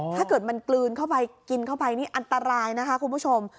ถ้าเกิดมันกลืนเข้าไปกินเข้าไปนี่อันตรายนะคะคุณผู้ชม